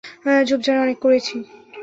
ঝোপঝাড়ে অনেক করেছি।